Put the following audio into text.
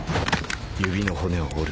指の骨を折る